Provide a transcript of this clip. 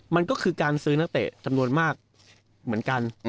มันก็คือการซื้อนักเตะจำนวนมากเหมือนกัน